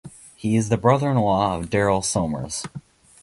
He is the brother-in-law of Daryl Somers.